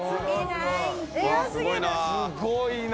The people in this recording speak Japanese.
すごいな。